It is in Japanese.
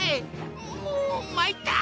もうまいった！